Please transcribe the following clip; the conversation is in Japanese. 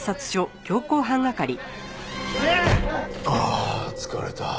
ああ疲れた。